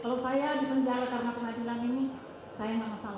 kalau saya dikendara karena pengadilan ini saya nggak masalah